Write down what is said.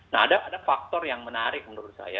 nah ada faktor yang menarik menurut saya